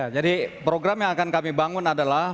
program yang akan kami bangun adalah